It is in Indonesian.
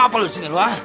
lu mau apa lu sini lu ah